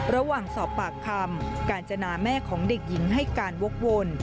ระหว่างสอบปากคำกาญจนาแม่ของเด็กหญิงให้การวกวน